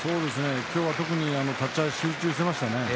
今日は特に立ち合い集中していましたね。